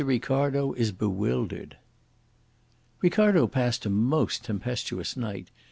RICARDO IS BEWILDERED Ricardo passed a most tempestuous night.